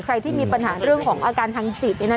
ใครที่มีปัญหาเรื่องของอาการทางจิต